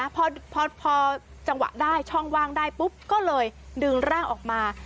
พอจังหวะได้ช่องว่างได้ปุ๊บก็เลยดึงร่างออกมา